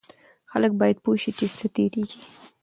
خلک باید پوه شي چې څه تیریږي.